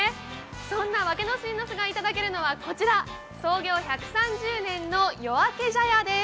そんなワケノシンノスがいただけるのはこちら創業１３０年の夜明茶屋です。